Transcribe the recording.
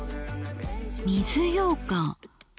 「水ようかん」。